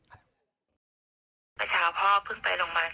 เมื่อเช้าพ่อเพิ่งไปโรงพยาบาล